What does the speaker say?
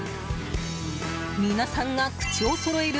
皆さんが口をそろえる